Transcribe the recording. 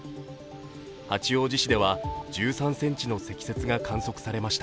八王子市では１３ｃｍの積雪が観測されました。